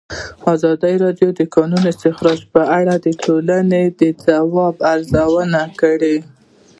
ازادي راډیو د د کانونو استخراج په اړه د ټولنې د ځواب ارزونه کړې.